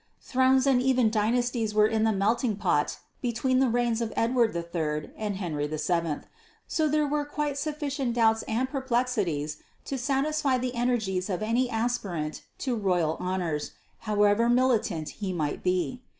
Thrones and even dynasties were in the melting pot between the reigns of Edward III and Henry VII; so there were quite sufficient doubts and perplexities to satisfy the energies of any aspirant to royal honours however militant he might be.